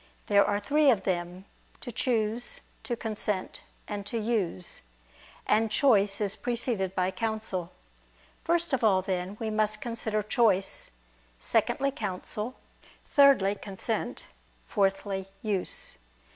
There are three of them: to choose, to consent, and to use. And choice is preceded by counsel. First of all, then, we must consider choice: secondly, counsel; thirdly, consent; fourthly, use.